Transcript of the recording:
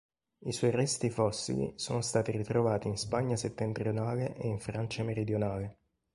I suoi resti fossili sono stati ritrovati in Spagna settentrionale e in Francia meridionale.